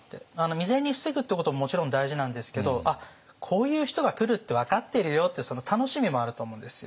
未然に防ぐってことももちろん大事なんですけど「あっこういう人が来るって分かってるよ」ってその楽しみもあると思うんですよ。